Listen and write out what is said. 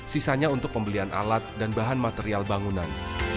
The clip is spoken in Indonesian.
sisanya untuk pembelian alat dan bahan material bangunan